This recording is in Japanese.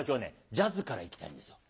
ジャズからいきたいんですよ。